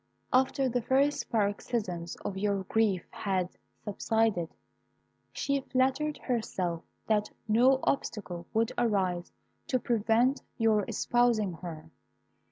"After the first paroxysms of your grief had subsided, she flattered herself that no obstacle would arise to prevent your espousing her.